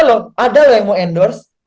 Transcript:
loh ada yang mau endorse